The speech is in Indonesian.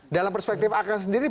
dalam perspektif ak sendiri